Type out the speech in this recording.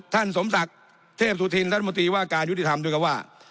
ท่านสมศักดิ์เทพสุธินท่านมติว่าการยุติธรรมด้วยกันว่า